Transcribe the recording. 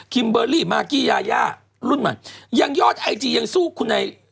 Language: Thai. คิมเบอร์ลี่มากกี้ยายะรุ่นหม่านยังยอดไอจีย์ยังสู้คุณไอ